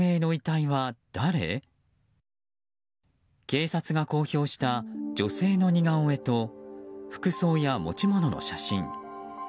警察が公表した女性の似顔絵と服装や持ち物の写真。